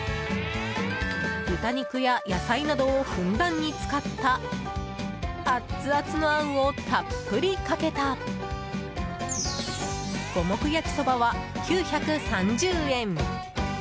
豚肉や野菜などをふんだんに使ったアッツアツのあんをたっぷりかけた五目焼きそばは、９３０円。